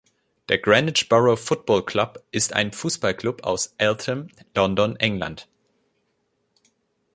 Der Greenwich Borough Football Club ist ein Fußballclub aus Eltham, London, England.